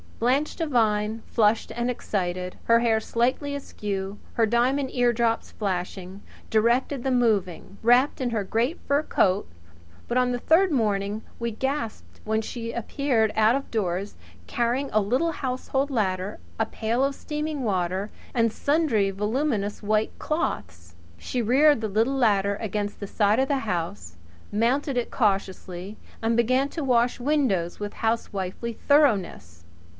Blanche Devine, flushed and excited, her hair slightly askew, her diamond eardrops flashing, directed the moving, wrapped in her great fur coat; but on the third morning we gasped when she appeared out of doors, carrying a little household ladder, a pail of steaming water and sundry voluminous white cloths. She reared the little ladder against the side of the house mounted it cautiously, and began to wash windows: with housewifely thoroughness.